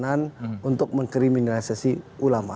tidak ada pesanan untuk mengkriminalisasi ulama